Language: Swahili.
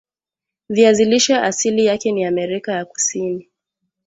viazi lishe asili yake ni Amerika ya kusini